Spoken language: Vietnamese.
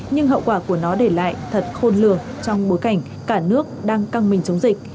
nhưng hậu quả của nó để lại thật khôn lường trong bối cảnh cả nước đang căng mình chống dịch